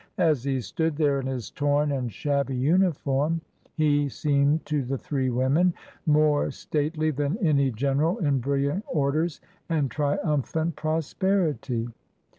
As he stood there in his torn and shabby uniform, he seemed to the three women more stately than any general in brilliant orders and triumphant prosperity.